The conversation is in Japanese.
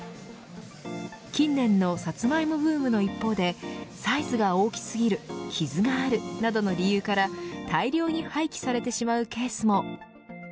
近年のサツマイモブームの一方でサイズが大きすぎる傷がある、などの理由から大量に廃棄されてしまうケースも。